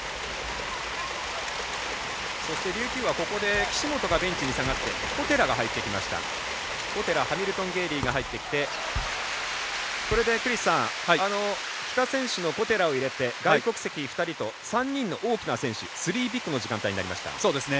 琉球は、ここで岸本がベンチに下がって小寺ハミルトンゲイリーが入ってきてこれで、帰化選手の小寺を入れて外国籍２人と、３人の大きな選手スリービッグの時間帯になりました。